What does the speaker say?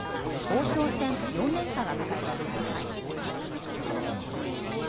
王将戦４連覇がかかっています。